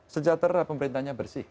sejahtera pemerintahnya bersih